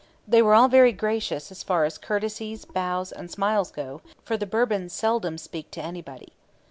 'They were all very gracious as far as courtesies, bows, and smiles go, for the Bourbons seldom speak to anybody.'